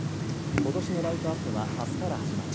ことしのライトアップはあすから始まり